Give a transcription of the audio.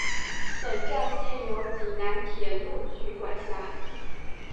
本站现由济南铁路局管辖。